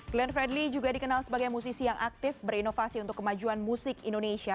glenn fredly juga dikenal sebagai musisi yang aktif berinovasi untuk kemajuan musik indonesia